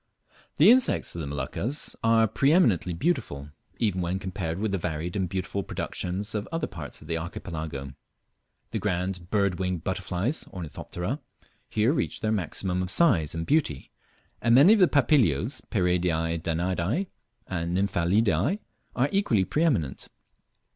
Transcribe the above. The insects of the Moluccas are pre eminently beautiful, even when compared with the varied and beautiful productions of other parts of the Archipelago. The grand bird winged butterflies (Ornithoptera) here reach their maximum of size and beauty, and many of the Papilios, Pieridae Danaidae, and Nymphalidae are equally preeminent.